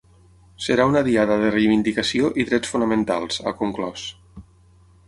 Serà una diada de reivindicació i drets fonamentals, ha conclòs.